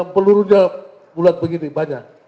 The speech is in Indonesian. pelurunya bulat begini banyak